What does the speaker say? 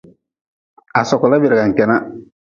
Ha sokla bergan kenah.